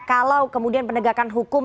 kalau kemudian penegakan hukum